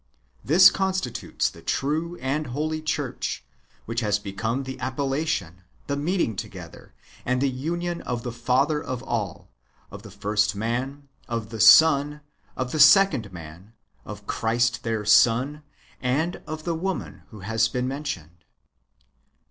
This constitutes the true and holy church, which has become the appellation, the meeting together, and the union of the father of all, of the first man, of the son, of the second man, of Christ their son, and of the woman who has been mentioned.